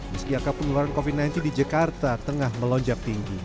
meski angka penularan covid sembilan belas di jakarta tengah melonjak tinggi